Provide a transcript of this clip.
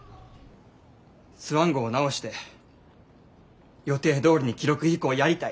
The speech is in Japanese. スワン号を直して予定どおりに記録飛行やりたい。